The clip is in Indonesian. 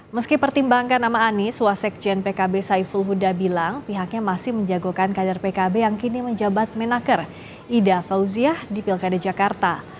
meski pertimbangkan nama anies wasekjen pkb saiful huda bilang pihaknya masih menjagokan kader pkb yang kini menjabat menaker ida fauziah di pilkada jakarta